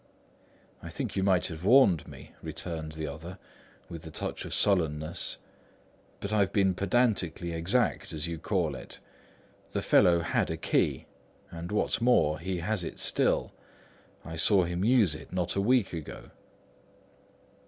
"I think you might have warned me," returned the other with a touch of sullenness. "But I have been pedantically exact, as you call it. The fellow had a key; and what's more, he has it still. I saw him use it not a week ago."